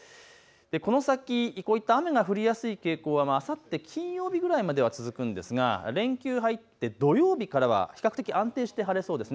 この先こういった雨が降りやすい傾向はあさって金曜日ぐらいまでは続くんですが、連休に入って土曜日からは比較的安定して晴れそうです。